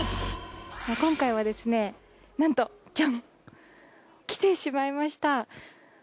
今回はですねなんとジャン！来てしまいました。